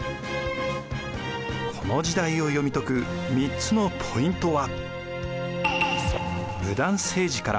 この時代を読み解く３つのポイントは。